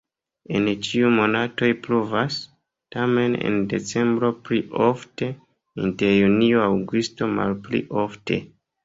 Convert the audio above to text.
En ĉiuj monatoj pluvas, tamen en decembro pli ofte, inter junio-aŭgusto malpli ofte.